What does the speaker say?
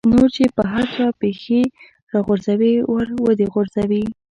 نور چې په هر چا پېښې را غورځي ور دې وغورځي.